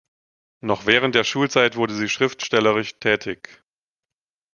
Noch während der Schulzeit wurde sie schriftstellerisch tätig.